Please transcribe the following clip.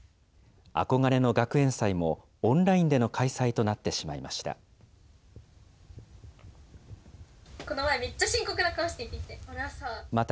憧れの学園祭も、オンラインでの開催となってしまいました。